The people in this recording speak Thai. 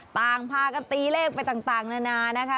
ต่างพากันตีเลขไปต่างนานานะคะ